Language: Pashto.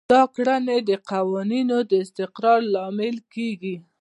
دا کړنې د قوانینو د استقرار لامل کیږي.